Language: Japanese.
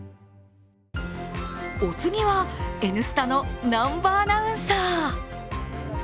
お次は「Ｎスタ」の南波アナウンサー。